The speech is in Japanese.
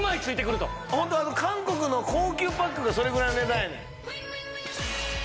ホント韓国の高級パックがそれぐらいの値段やねん。